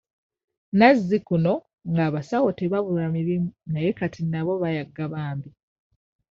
Nazzikuno nga abasawo tebabulwa mirimu naye kati nabo bayagga bambi.